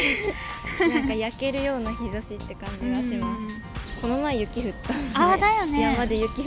なんか焼けるような日ざしって感じがします。